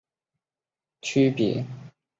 其和公吨有所区别。